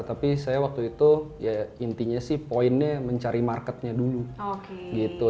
tapi saya waktu itu ya intinya sih poinnya mencari marketnya dulu gitu